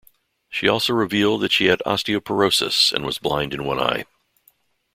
She also revealed that she had osteoporosis and was blind in one eye.